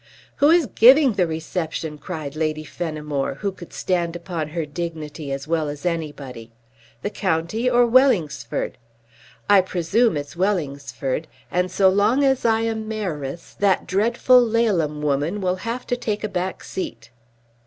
"Who is giving the reception?" cried Lady Fenimore, who could stand upon her dignity as well as anybody. "The County or Wellingsford? I presume it's Wellingsford, and, so long as I am Mayoress, that dreadful Laleham woman will have to take a back seat."